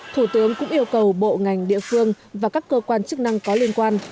thủ tướng cũng yêu cầu bộ ngành địa phương và các cơ quan chức năng có liên quan